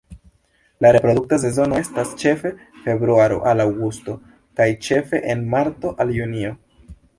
La reprodukta sezono estas ĉefe februaro al aŭgusto kaj ĉefe en marto al junio.